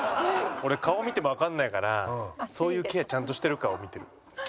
俺顔見てもわかんないからそういうケアちゃんとしてるかを見てる。